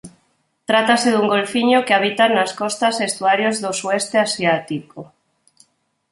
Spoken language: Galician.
Trátase dun golfiño que habita nas costas e estuarios do sueste asiático.